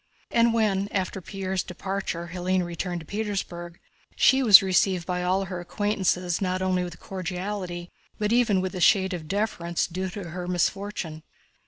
And when after Pierre's departure Hélène returned to Petersburg, she was received by all her acquaintances not only cordially, but even with a shade of deference due to her misfortune.